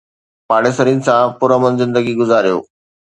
پاڙيسرين سان پرامن زندگي گذاريو